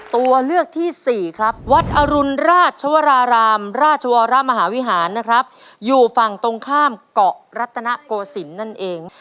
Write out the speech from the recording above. ตัวเลือกที่สี่ครับวัดอรุณราชวรารามราชวรมหาวิหารนะครับอยู่ฝั่งตรงข้ามเกาะรัตนโกศิลป์นั่นเอง